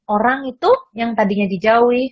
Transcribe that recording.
orang itu yang tadinya dijauhi